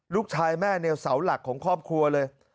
ลูกชายแม่เนี่ยเสาหลักของครอบครัวเลย